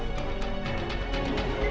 giga tiga besar pria